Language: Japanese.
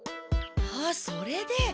ああそれで。